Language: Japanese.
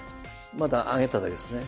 まだ上げただけですね。